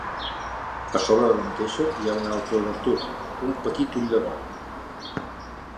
A sobre de la mateixa hi ha una altra obertura, un petit ull de bou.